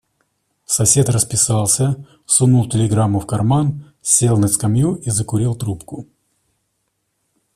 Сосед расписался, сунул телеграмму в карман, сел на скамью и закурил трубку.